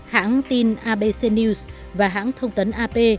hãng tin abc news và hãng thông tấn ap